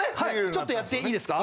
ちょっとやっていいですか？